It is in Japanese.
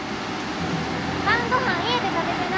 晩ごはん家で食べてな！